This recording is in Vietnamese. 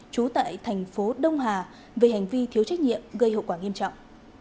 trú tại thành phố đông hà về hành vi thiếu trách nhiệm gây hậu quả nghiêm trọng